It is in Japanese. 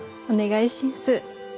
お願いしんす。